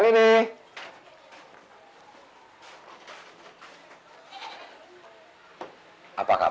lihat sih nih selamat ahad